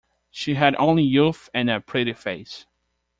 She had only youth and a pretty face.